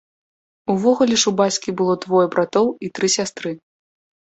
Увогуле ж у бацькі было двое братоў і тры сястры.